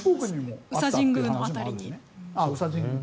宇佐神宮の辺りに。